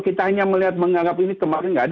kita hanya melihat menganggap ini kemarin